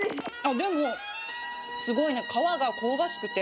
でも、すごいね、皮が香ばしくて。